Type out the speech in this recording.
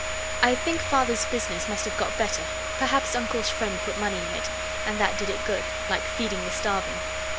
I think Father's business must have got better perhaps Uncle's friend put money in it and that did it good, like feeding the starving.